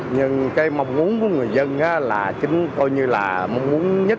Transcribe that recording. nhưng cái mong muốn của người dân là chính coi như là mong muốn của người dân